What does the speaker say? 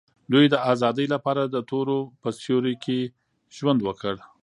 دوی د آزادۍ لپاره د تورو په سیوري کې ژوند وکړ.